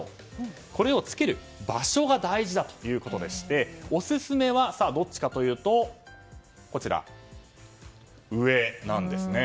これをつける場所が大事だということでしてオススメは上なんですね。